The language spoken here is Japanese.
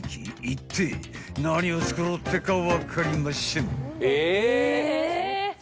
［いってえ何を作ろうってか分かりましぇん］